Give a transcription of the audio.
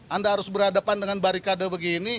anda harus berhadapan dengan barikade begini